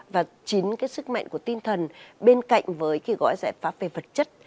và chính cái sức mạnh của tinh thần bên cạnh với cái gói giải pháp về vật chất